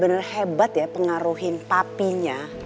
bener bener hebat ya pengaruhin papinya